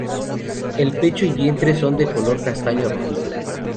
El pecho y vientre son de color castaño rojizo.